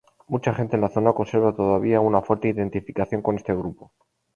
Mucha gente en la zona conserva todavía una fuerte identificación con este grupo.